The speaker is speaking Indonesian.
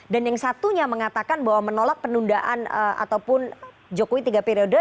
dan yang satunya mengatakan bahwa menolak penundaan ataupun jokowi tiga periode